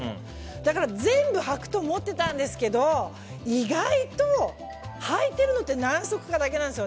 だから全部履くと思っていたんですけど意外と、履いてるのって何足かだけなんですよ。